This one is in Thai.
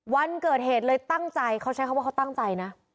วันเกิดเหตุเลยตั้งใจเขาใช้คำว่าเขาตั้งใจนะ